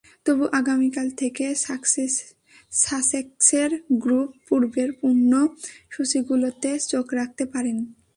তবু আগামীকাল থেকে সাসেক্সের গ্রুপ পর্বের পূর্ণ সূচিগুলোতে চোখ রাখতে পারেন।